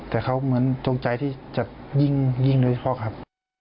แต่เขาเหมือนตรงใจที่จะยิ่งเลยพอครับ